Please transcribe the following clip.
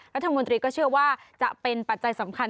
รัฐมนตรีก็เชื่อว่าจะเป็นปัจจัยสำคัญ